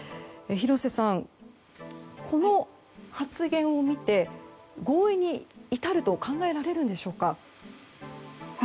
廣瀬さん、この発言を見て合意に至ると考えられるんでしょうか。